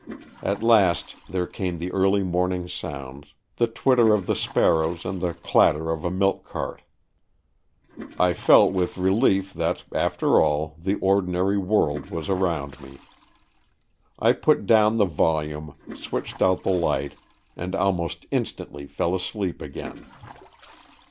At last there came the early morning sounds, the twitter of the sparrows and the clatter of a milk cart. I felt with AN EXCHANGE OF SOULS 199 relief that after all the ordinary world was around me. I put down the volume, switched out the light, and almost instantly fell asleep again.